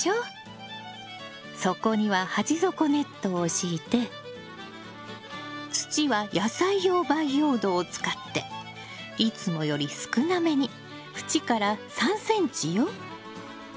底には鉢底ネットを敷いて土は野菜用培養土を使っていつもより少なめに縁から３ｃｍよ。